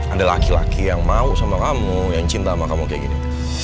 ada laki laki yang mau sama kamu yang cinta sama kamu kayak gini